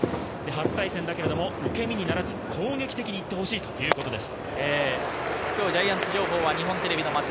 初対戦だけれども受け身にならず攻撃的にいってほしいということです。